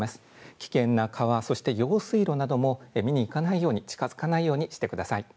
危険な川、そして用水路なども見に行かないように近づかないようにしてください。